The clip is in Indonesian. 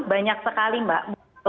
banyak sekali mbak